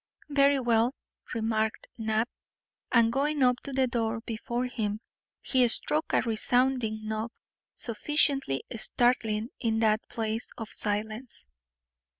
"Very well," remarked Knapp, and going up to the door before him, he struck a resounding knock sufficiently startling in that place of silence.